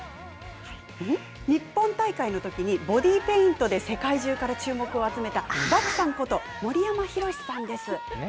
日本大会のときにボディペイントで世界中から注目を集めた、バクさんこと、森山漠さんです。